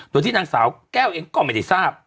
โดยที่นางสาวแก้วเองก็ไม่ได้ทราบ